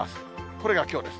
これがきょうです。